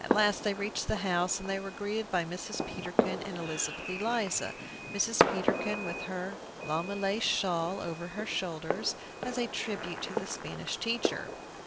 At last they reached the house, and were greeted by Mrs. Peterkin and Elizabeth Eliza, Mrs. Peterkin with her llama lace shawl over her shoulders, as a tribute to the Spanish teacher.